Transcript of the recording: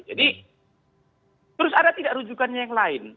jadi terus ada tidak rujukannya yang lain